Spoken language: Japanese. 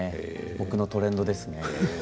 僕のトレンドですね。